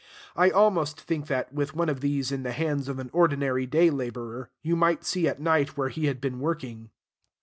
I almost think that, with one of these in the hands of an ordinary day laborer, you might see at night where he had been working.